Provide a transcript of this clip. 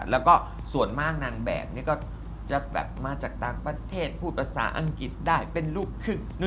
แล้วก็ส่วนมากนางแบบนี้ก็จะแบบมาจากต่างประเทศพูดภาษาอังกฤษได้เป็นลูกครึ่ง